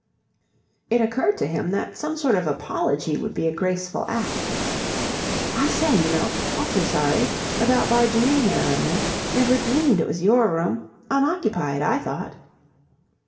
It occurred to him that some sort of apology would be a graceful act. "I say, you know, awfully sorry. About barging in here, I mean. Never dreamed it was your room. Unoccupied, I thought."